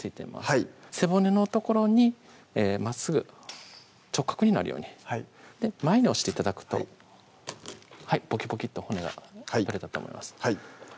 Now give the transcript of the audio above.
はい背骨の所にまっすぐ直角になるように前に押して頂くとはいポキポキッと骨が取れたと思います